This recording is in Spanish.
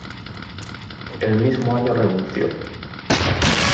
El mismo año renunció.